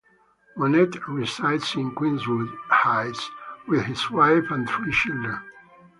Monette resides in Queenswood Heights with his wife and three children.